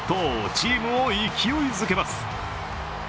チームを勢いづけます。